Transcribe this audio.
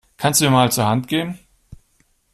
Kannst du mir mal zur Hand gehen?